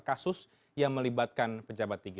kasus yang melibatkan pejabat tinggi